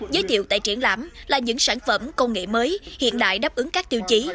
giới thiệu tại triển lãm là những sản phẩm công nghệ mới hiện đại đáp ứng các tiêu chí